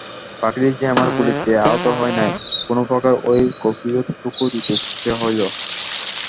পাখিটি যে আমার গুলিতে আহত হয় নাই, কোনোপ্রকারে এই কৈফিয়তটুকু দিতে ইচ্ছা হইল।